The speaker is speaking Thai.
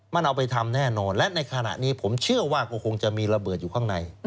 มันเอาไปทำแน่นอนและในขณะนี้ผมเชื่อว่าก็คงจะมีระเบิดอยู่ข้างใน